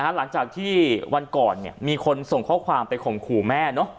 หลังจากที่วันก่อนเนี่ยมีคนส่งข้อความไปของขู่แม่เนอะ